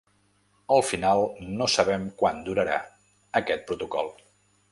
Al final, no sabem quant durarà aquest protocol.